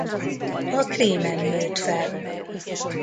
A Krímen nőtt fel.